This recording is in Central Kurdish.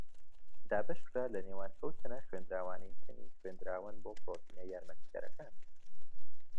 دابەشکرا لە نێوان ئەو تەنە خوێندراوانەی تەنی خوێندراوەن بۆ پڕۆتیەنە یارمەتیدەرەکان.